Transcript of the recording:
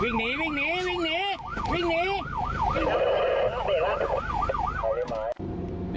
วิ่งหนีวิ่งหนีวิ่งหนีวิ่งหนี